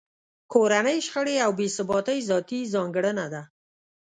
کورنۍ شخړې او بې ثباتۍ ذاتي ځانګړنه ده